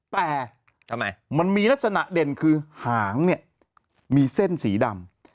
แต่ทำไมมันมีลักษณะเด่นคือหางเนี่ยมีเส้นสีดำ